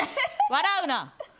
笑うな！